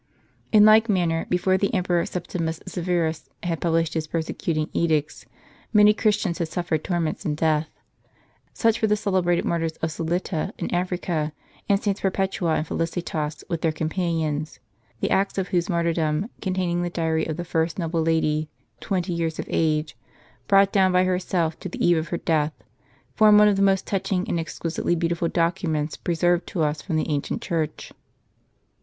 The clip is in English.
In like manner, before the Emperor Septimus Severus had published his persecuting edicts, many Christians had suffered torments and death. Such were the celebrated mar tyrs of Scillita in Africa, and SS. Perpetua and Felicitas, with their companions; the Acts of whose martyrdom, containing the diary of the first noble lady, twenty years of age, brought down by herself to the eve of her death, form one of the most touching, and exquisitely beautiful, documents preserved to us from the ancient Church.